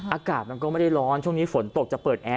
อากาศมันก็ไม่ได้ร้อนช่วงนี้ฝนตกจะเปิดแอร์